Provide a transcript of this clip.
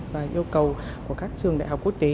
và yêu cầu của các trường đại học quốc tế